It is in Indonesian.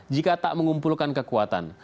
jika tak mengumpulkan kekuatan